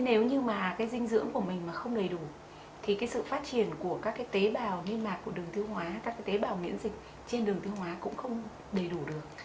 nếu như dinh dưỡng của mình không đầy đủ thì sự phát triển của các tế bào nguyên mạc của đường tiêu hóa các tế bào miễn dịch trên đường tiêu hóa cũng không đầy đủ được